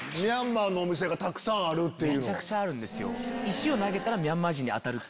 めちゃくちゃあるんですよ。